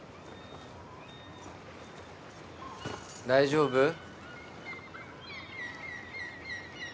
大丈夫？